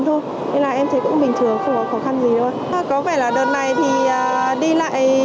thôi nên là em thấy cũng bình thường không có khó khăn gì đâu có vẻ là đợt này thì đi lại